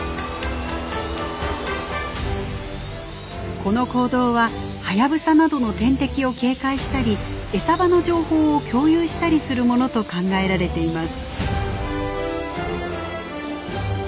この行動はハヤブサなどの天敵を警戒したり餌場の情報を共有したりするものと考えられています。